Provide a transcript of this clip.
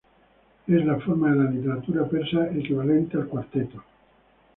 Es la forma de la literatura persa equivalente al cuarteto.